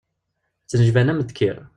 Ttnejban am ddkir.